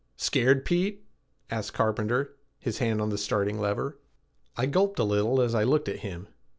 "Scared, Pete?" asked Carpenter, his hand on the starting lever. I gulped a little as I looked at him.